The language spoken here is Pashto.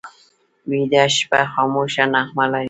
ویده شپه خاموشه نغمه لري